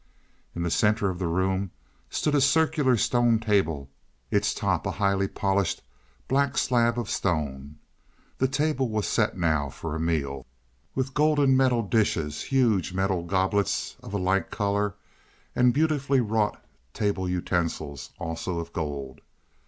In the center of the room stood a circular stone table, its top a highly polished black slab of stone. This table was set now for a meal, with golden metal dishes, huge metal goblets of a like color, and beautifully wrought table utensils, also of gold.